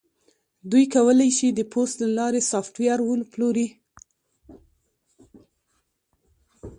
دوی کولی شي د پوست له لارې سافټویر وپلوري